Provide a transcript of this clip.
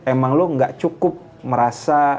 emang lo gak cukup merasa